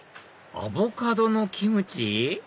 アボカドのキムチ？